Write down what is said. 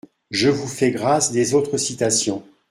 Je vous fais grâce des autres citations.